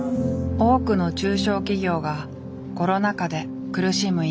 多くの中小企業がコロナ禍で苦しむ今。